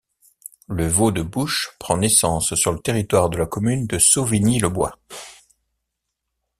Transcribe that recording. Le Vau de Bouche prend naissance sur le territoire de la commune de Sauvigny-le-Bois..